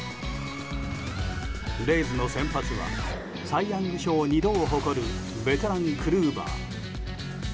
レイズの先発はサイ・ヤング賞２度を誇るベテラン、クルーバー。